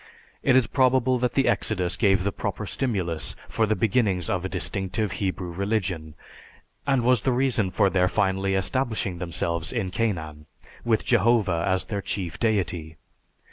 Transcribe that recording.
It is probable that the exodus gave the proper stimulus for the beginnings of a distinctive Hebrew religion, and was the reason for their finally establishing themselves in Canaan, with Jehovah as their chief deity.